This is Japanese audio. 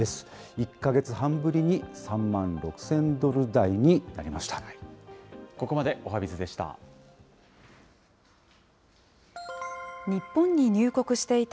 １か月半ぶりに３万６０００ドル台になりました。